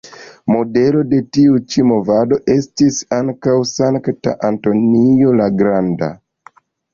Modelo de tiu ĉi movado estis ankaŭ Sankta Antonio la Granda.